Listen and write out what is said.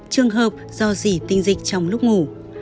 trường hợp do dì tinh dịch trong lúc ngủ